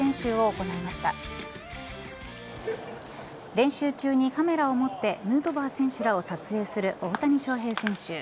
練習中にカメラを持ってヌートバー選手らを撮影する大谷翔平選手。